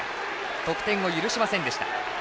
得点を許しませんでした。